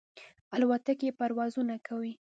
الوتکې پروازونه کوي.